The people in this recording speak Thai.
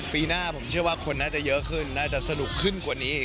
ปีหน้าผมเชื่อว่าคนน่าจะเยอะขึ้นน่าจะสนุกขึ้นกว่านี้อีก